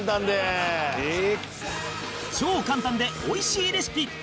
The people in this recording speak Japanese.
超簡単でおいしいレシピ大公開！